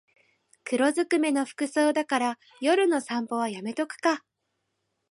黒ずくめの服装だから夜の散歩はやめとくか